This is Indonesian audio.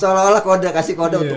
seolah olah kode kasih kode untuk